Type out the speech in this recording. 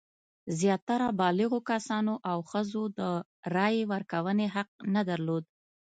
زیاتره بالغو کسانو او ښځو د رایې ورکونې حق نه درلود.